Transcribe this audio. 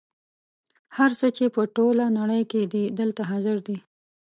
هر څه چې په ټوله نړۍ کې دي دلته حاضر دي.